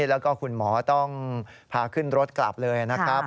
แล้วก็คุณหมอต้องพาขึ้นรถกลับเลยนะครับ